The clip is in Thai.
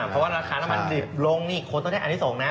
เพราะว่าราคาน้ำมันดิบลงนี่คนต้องได้อันนี้ส่งนะ